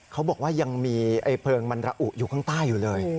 เขาบอกว่ายังมีเพลิงมันระอุอยู่ข้างใต้อยู่เลย